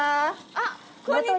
あっ、こんにちは。